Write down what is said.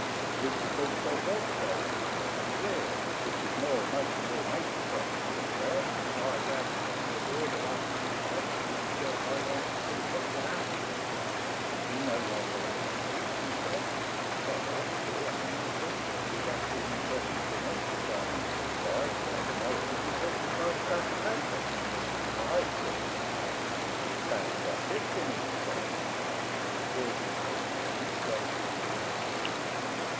You was a blue salt water sailor,' he says, 'for years, which is more'n most of your mates has got to boast of, and I reckon that you're the right man to execute the job I wants to see put into haction. You know my boy Tommy ?* he says. 18 270 ""THAT THERE LITTLE TOMMY/* "* I ought to/ I answers. * He's asted me questions enough consarning the sea life to make me know him if he talked inside a sack o' taters.' "'Ay,' says Mr. Parkinson, 'that's just it, Jimmy,' he says ;' here's this hoy Tommy crazy to be off to sea.